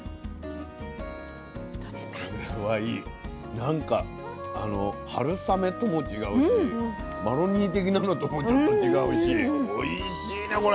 なんか春雨とも違うしマロニー的なのともちょっと違うしおいしいねこれ。